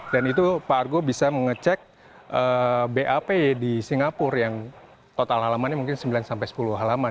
dan itu pak argo bisa mengecek bap di singapura yang total halamannya mungkin sembilan sampai sepuluh halaman